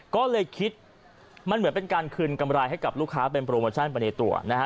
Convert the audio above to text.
ก็เลยคิดมันเหมือนเป็นการคืนกำไรให้กับลูกค้าเป็นโปรโมชั่นไปในตัวนะฮะ